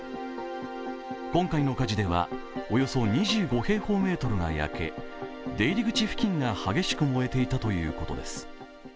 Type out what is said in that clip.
今回の火事ではおよそ２５平方メートルが焼け出入り口付近が激しく燃えていたということです。